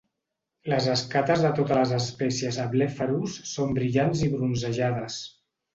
Les escates de totes les espècies Ablepharus són brillants i bronzejades.